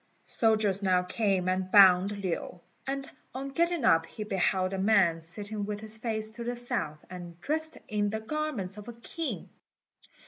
Soldiers now came and bound Lin, and on getting up he beheld a man sitting with his face to the south, and dressed in the garments of a king.